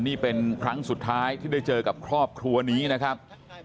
นี่เป็นครั้งสุดท้ายที่ได้เจอกับครอบครัวนี้นะครับ